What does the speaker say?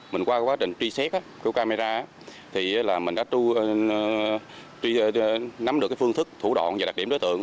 mình qua quá trình truy xét cái camera thì là mình đã nắm được cái phương thức thủ đoạn và đặc điểm đối tượng